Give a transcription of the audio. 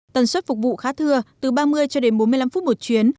tần suất phục vụ khá thưa từ ba mươi cho đến bốn mươi năm phút một chuyến